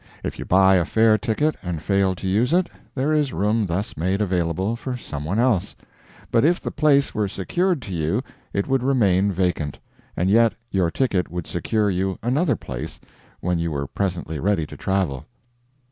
If you buy a fare ticket and fail to use it, there is room thus made available for someone else; but if the place were secured to you it would remain vacant, and yet your ticket would secure you another place when you were presently ready to travel.